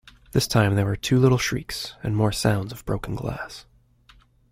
This time there were two little shrieks, and more sounds of broken glass.